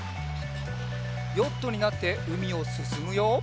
ヨットになってうみをすすむよ。